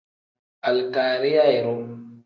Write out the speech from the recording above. Alikariya iru.